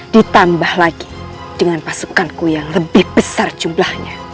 ditambah lagi dengan pasukanku yang lebih besar jumlahnya